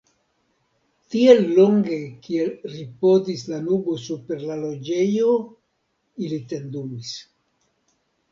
Tiel longe kiel ripozis la nubo super la Loĝejo, ili tendumis.